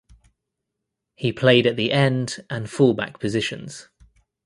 He played at the end and fullback positions.